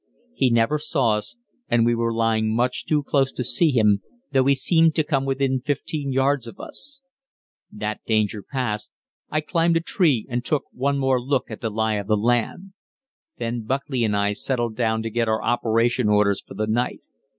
He never saw us, and we were lying much too close to see him, though he seemed to come within 15 yards of us. That danger past, I climbed a tree and took one more look at the lie of the land. Then Buckley and I settled down to get our operation orders for the night.